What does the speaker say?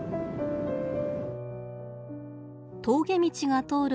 峠道が通る